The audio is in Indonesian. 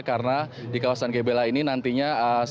karena di kawasan gebelah ini nantinya